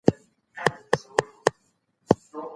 ایا لوی صادروونکي چارمغز اخلي؟